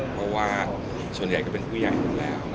เพราะว่าส่วนใหญ่ก็เป็นผู้ใหญ่อยู่แล้ว